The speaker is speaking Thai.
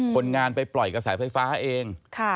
คนงานไปปล่อยกระแสไฟฟ้าเอง